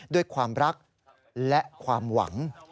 ด้วยความรักและความหวัง